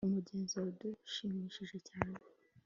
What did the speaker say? umugezi wadushimishije cyane